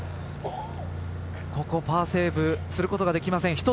ここパーセーブすることができません。